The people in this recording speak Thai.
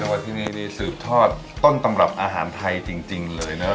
ว่าที่นี่นี่สืบทอดต้นตำรับอาหารไทยจริงเลยนะ